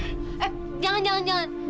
eh jangan jangan jangan